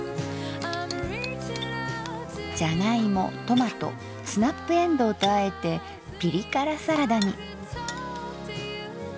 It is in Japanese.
じゃがいもトマトスナップエンドウとあえてピリ辛サラダに。